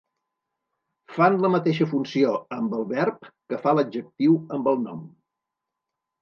Fan la mateixa funció amb el verb que fa l'adjectiu amb el nom.